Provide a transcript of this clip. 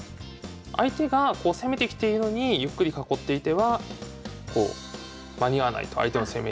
相手が攻めてきているのにゆっくり囲っていては間に合わないと相手の攻めに。